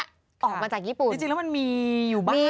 ออกมาจากญี่ปุ่นจริงแล้วมันมีอยู่บ้าง